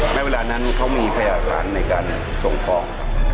ในเวลานั้นเขามีภัยการในการส่งฟอง